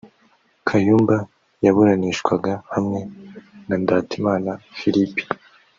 Kayumba yaburanishwaga hamwe na Ndatimana Philippe